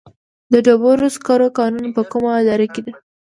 د ډبرو سکرو کانونه په کومه دره کې دي؟